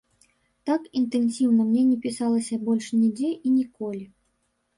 Так інтэнсіўна мне не пісалася больш нідзе і ніколі.